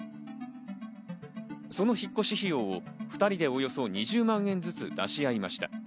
その引っ越し費用を２人でおよそ２０万円ずつ出し合いました。